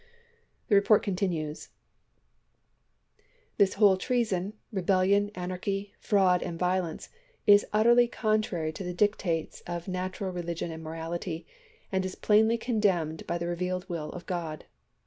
The report continues : This whole treason, rebellion, anarchy, fraud, and violence, is utterly contrary to the dictates of natural 320 ABEAHAM LINCOLN Chap. XV. religion and morality, and is plainly condemned by the revealed will of God.